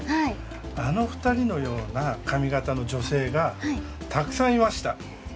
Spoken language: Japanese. あの２人のような髪形の女性がたくさんいました。